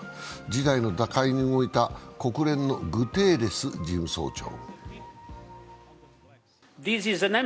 事態の打開に動いた国連のグテーレス事務総長。